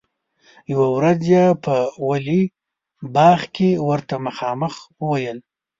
یوه ورځ یې په ولي باغ کې ورته مخامخ وویل.